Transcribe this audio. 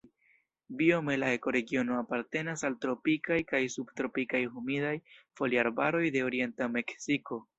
Biome la ekoregiono apartenas al tropikaj kaj subtropikaj humidaj foliarbaroj de orienta Meksiko.